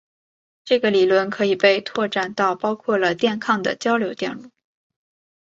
这个理论可以被扩展到包括了电抗的交流电路。